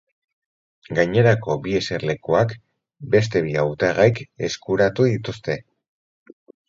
Gainerako bi eserlekuak beste bi hautagaik eskuratu dituzte.